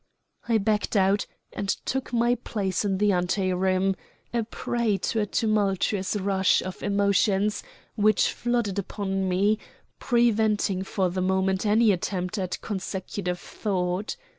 I backed out, and took my place in the ante room, a prey to a tumultuous rush of emotions which flooded upon me, preventing for the moment any attempt at consecutive thought.